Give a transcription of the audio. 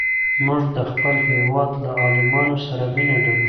موږ د خپل هېواد له عالمانو سره مینه لرو.